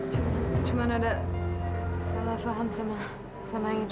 cuma cuma ada salah faham sama sama yang itu res